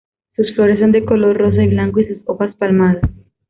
Sus flores son de color rosa y blanco y sus hojas palmadas.